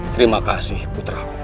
terima kasih putra